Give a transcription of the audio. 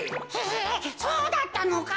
えそうだったのか。